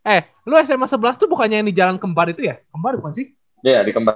eh lu sma sebelas tuh bukannya yang di jalan kembar itu ya kembar bukan sih